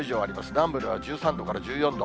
南部では１３度から１４度。